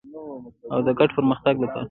او د ګډ پرمختګ لپاره.